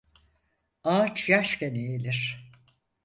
Ağaç yaşken eğilir.